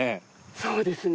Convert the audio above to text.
そうですね。